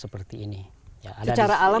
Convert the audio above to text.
secara alam tidak ada